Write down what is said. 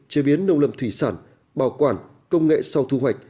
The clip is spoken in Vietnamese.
chế biến nông lâm thủy sản bảo quản công nghệ sau thu hoạch